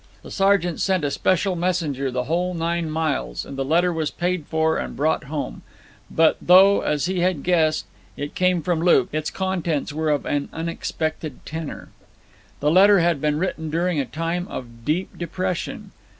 The sergeant sent a special messenger the whole nine miles, and the letter was paid for and brought home; but though, as he had guessed, it came from Luke, its contents were of an unexpected tenor. The letter had been written during a time of deep depression.